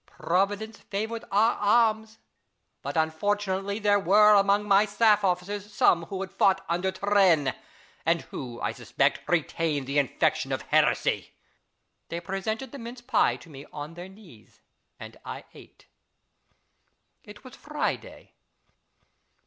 Providence favoured our arms ; but unfortunately there were among my staff officera some who had fought under Turennp, and who, I suspect, retained the infection of LOUIS XIV. AND FATHER LA CHAISE. 33 heresy. They presented the mince pie to me on their knees, and I ate. It was Friday.